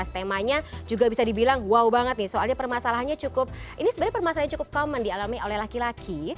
temanya juga bisa dibilang wow banget nih soalnya permasalahannya cukup ini sebenarnya permasalahan yang cukup common dialami oleh laki laki